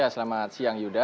selamat siang yuda